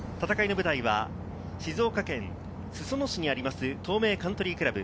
戦いの舞台は静岡県裾野市にあります、東名カントリークラブ。